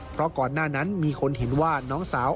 เพราะก่อนหน้านั้นมีคนเห็นว่าน้องสาว